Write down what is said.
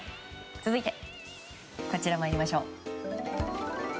続いてこちらまいりましょう。